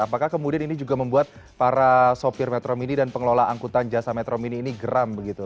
apakah kemudian ini juga membuat para sopir metro mini dan pengelola angkutan jasa metro mini ini geram begitu